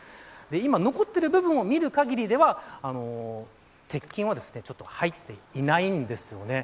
残った部分を見る限りでは鉄筋は入っていないんですよね。